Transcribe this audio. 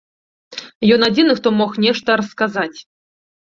Ён адзіны, хто мог нешта расказаць.